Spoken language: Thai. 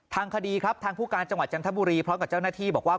ทางคดีครับทางผู้การจังหวัดจันทบุรีพร้อมกับเจ้าหน้าที่บอกว่า